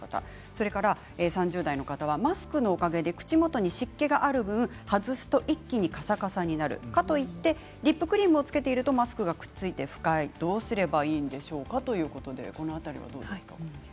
それから３０代の方はマスクのおかげで口元に湿気がある分外すと一気にカサカサになるかといってリップクリームをつけているとマスクがくっついて不快どうすればいいんでしょうかということです。